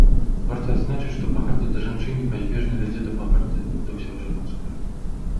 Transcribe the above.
Варта адзначыць, што пагарда да жанчын непазбежна вядзе да пагарды да ўсяго жаноцкага.